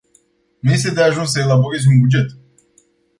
Nu este de ajuns să elaborezi un buget.